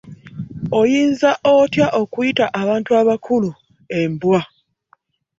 Oyinza otya okuyita abantu abakulu embwa?